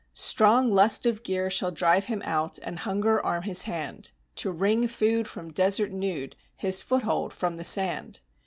"Strong lust of gear shall drive him out and hunger arm his hand To wring food from desert nude, his foothold from the sand.